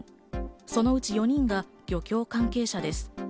そのうち４人が漁協関係者です。